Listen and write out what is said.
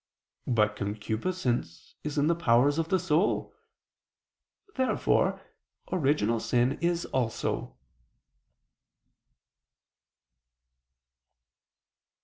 But concupiscence is in the powers of the soul. Therefore original sin is also.